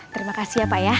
terima kasih ya pak ya